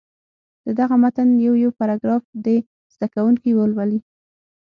د دغه متن یو یو پاراګراف دې زده کوونکي ولولي.